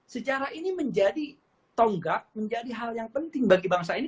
sejarah ini menjadi tonggak menjadi hal yang penting bagi bangsa ini